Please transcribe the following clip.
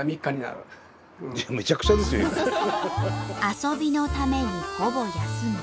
遊びのためにほぼ休み。